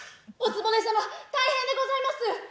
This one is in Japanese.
お局様大変でございます！